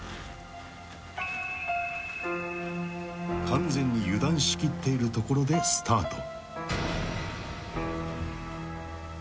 ［完全に油断しきっているところでスタート］